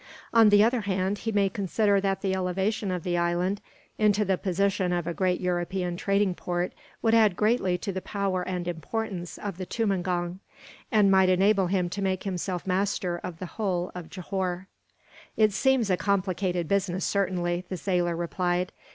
On the other hand, he may consider that the elevation of the island, into the position of a great European trading port, would add greatly to the power and importance of the tumangong, and might enable him to make himself master of the whole of Johore." "It seems a complicated business, certainly," the sailor replied.